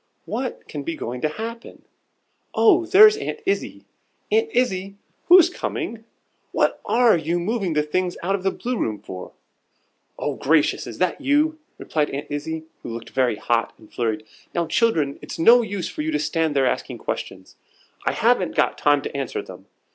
"What can be going to happen? Oh, there's Aunt Izzie! Aunt Izzie, who's coming? What are you moving the things out of the Blue room for?" "Oh, gracious! is that you?" replied Aunt Izzie, who looked very hot and flurried. "Now, children, it's no use for you to stand there asking questions; I haven't got time to answer them.